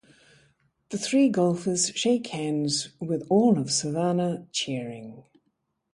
The three golfers shake hands with all of Savannah cheering.